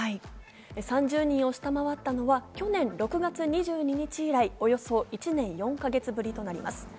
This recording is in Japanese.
３０人を下回ったのは去年６月２２日以来、およそ１年４か月ぶりとなります。